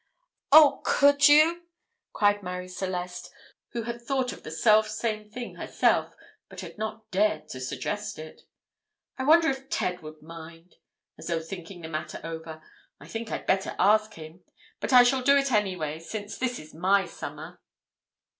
"Oh, could you?" cried Marie Celeste, who had thought of the selfsame thing herself, but had not dared to suggest it. "I wonder if Ted will mind?" as though thinking the matter over. "I think I'd better ask him; but I shall do it anyway, since this is my summer."